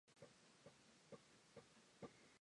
Her stage presence has been compared to that of Soad Hosny.